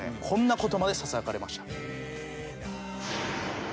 こんなことまでささやかれました。